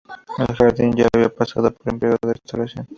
El jardín ya había pasado por un período de restauración.